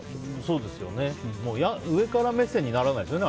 上から目線にならないですよね。